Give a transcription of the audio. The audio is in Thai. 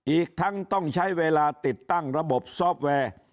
อีกทั้งต้องใช้เวลาติดตั้งระบบซอฟต์แวร์